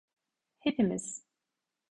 Hepimiz.